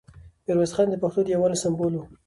میرویس خان د پښتنو د یووالي سمبول و.